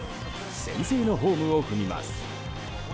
先制のホームを踏みます。